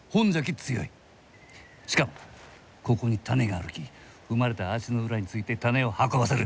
しかもここに種があるき踏まれた足の裏について種を運ばせる。